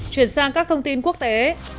chuyển sang các thông tin quốc tế